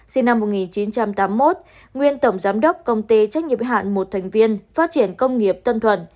sinh năm một nghìn chín trăm tám mươi một nguyên tổng giám đốc công ty trách nhiệm hạn một thành viên phát triển công nghiệp tân thuận